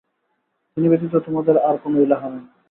তিনি ব্যতীত তোমাদের আর কোন ইলাহ নেই।